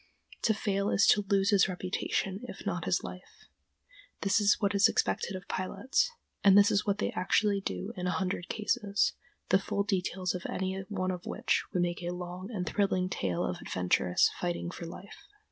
To fail is to lose his reputation if not his life. This is what is expected of pilots, and this is what they actually do in a hundred cases, the full details of any one of which would make a long and thrilling tale of adventurous fighting for life.